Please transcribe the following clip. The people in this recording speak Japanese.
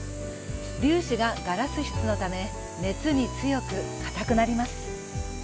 粒子がガラス質のため熱に強く硬くなります。